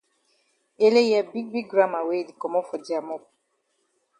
Ele hear big big gramma wey e di komot for dia mop.